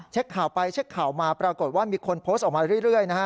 ข่าวไปเช็คข่าวมาปรากฏว่ามีคนโพสต์ออกมาเรื่อยนะฮะ